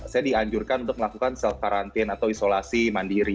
saya dianjurkan untuk melakukan self quarantine atau isolasi mandiri